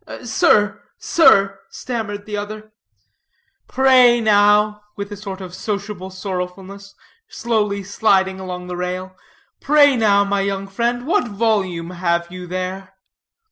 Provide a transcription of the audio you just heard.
"Sir, sir," stammered the other. "Pray, now," with a sort of sociable sorrowfulness, slowly sliding along the rail, "Pray, now, my young friend, what volume have you there?